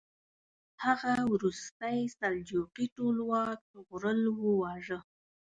هغه وروستی سلجوقي ټولواک طغرل وواژه.